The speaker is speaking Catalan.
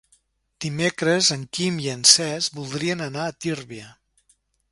Dimecres en Quim i en Cesc voldrien anar a Tírvia.